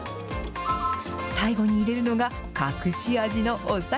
最後に入れるのが隠し味のお酒。